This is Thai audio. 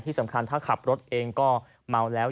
สำคัญถ้าขับรถเองก็เมาแล้ว